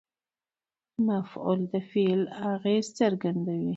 مفعول د فعل اغېز څرګندوي.